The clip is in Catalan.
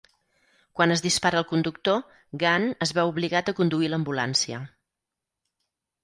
Quan es dispara al conductor, Gunn es veu obligat a conduir l'ambulància.